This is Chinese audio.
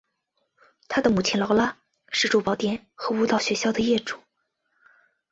她的母亲劳拉是珠宝店和舞蹈学校的业主。